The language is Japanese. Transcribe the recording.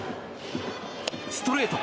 ストレート！